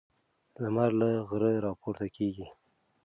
لمر له غره راپورته کیږي.